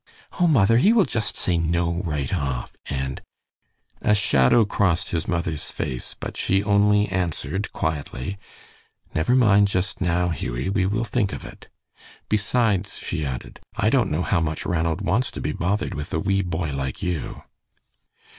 "Oh, mother, he will just say 'no' right off, and " A shadow crossed his mother's face, but she only answered quietly, "Never mind just now, Hughie; we will think of it. Besides," she added, "I don't know how much Ranald wants to be bothered with a wee boy like you."